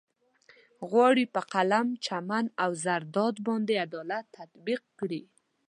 غواړي په قلم، چمن او زرداد باندې عدالت تطبيق کړي.